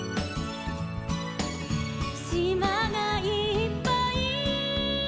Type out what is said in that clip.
「しまがいっぱい」